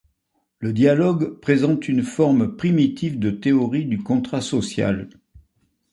Le dialogue présente une forme primitive de théorie du contrat social.